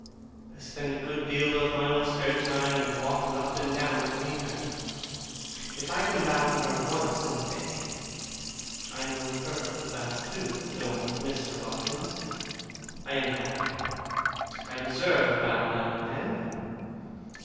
I spend a good deal of my own spare time in walking up and down to meet her. If I can bow to her once in the day (I know her to bow to, knowing Mr. Larkins), I am happier. I deserve a bow now and then.